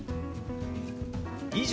「以上」。